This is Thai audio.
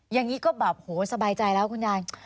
อย่างนี้ก็แบบโหสบายใจแล้วคุณยาย